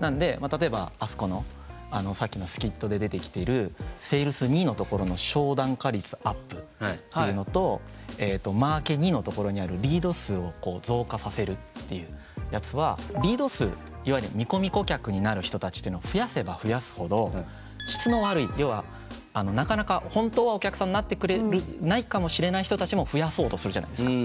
なんで例えばあそこのさっきのスキットで出てきてるセールスⅡのところの商談化率アップっていうのとえっとマーケⅡのところにあるリード数を増加させるっていうやつはリード数いわゆる見込み顧客になる人たちっていうのを増やせば増やすほど質の悪い要はなかなか本当はお客さんになってくれないかもしれない人たちも増やそうとするじゃないですか。